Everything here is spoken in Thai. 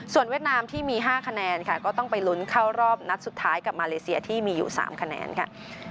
เวียดนามที่มี๕คะแนนค่ะก็ต้องไปลุ้นเข้ารอบนัดสุดท้ายกับมาเลเซียที่มีอยู่๓คะแนนค่ะ